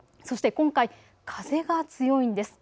そして今回、風が強いんです。